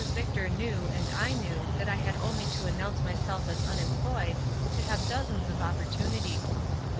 Victor knew and I knew that I had only to announce myself as unemployed, to have dozens of opportunities.